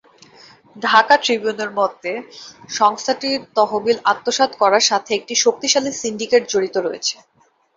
ঢাকা ট্রিবিউনের মতে, সংস্থাটির তহবিল আত্মসাৎ করার সাথে একটি শক্তিশালী সিন্ডিকেট জড়িত রয়েছে।